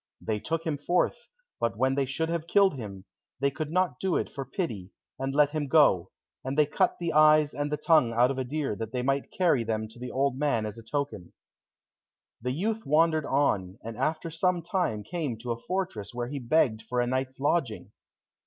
They took him forth, but when they should have killed him, they could not do it for pity, and let him go, and they cut the eyes and the tongue out of a deer that they might carry them to the old man as a token. The youth wandered on, and after some time came to a fortress where he begged for a night's lodging.